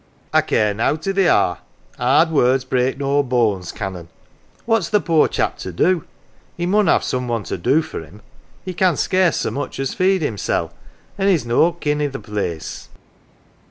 " I care nowt i' they are. 'Ard words break no boans, Canon. What's the poor chap to do? He mun have some one to do for him he can scarce so much as feed himsel' an 1 he's no kin i' th' place."